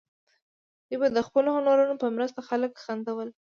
دوی به د خپلو هنرونو په مرسته خلک خندول.